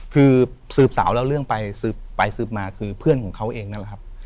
คือสืบสาวเล่าเรื่องไปสืบไปสืบมาคือเพื่อนของเขาเองนั่นแหละครับ